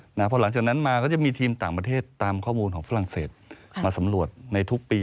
เพราะหลังจากนั้นมาก็จะมีทีมต่างประเทศตามข้อมูลของฝรั่งเศสมาสำรวจในทุกปี